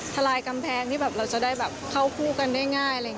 ทรายกำแพงเราจะได้เข้าคู่กันได้ง่าย